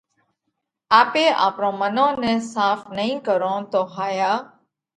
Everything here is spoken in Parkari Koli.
آپي آپرون منون نئہ ساڦ نئي ڪرون تو ھايا